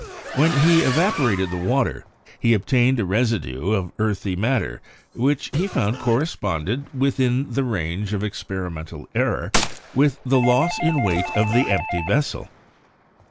When he evaporated the water, he obtained a residue of earthy matter which he found corresponded, within the range of experimental error, with the loss in weight of the empty vessel.